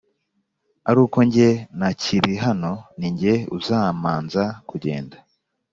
aruko jye ntakirihano nijye uzamanza kugenda